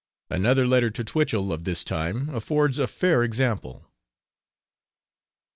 Another letter to Twichell of this time affords a fair example.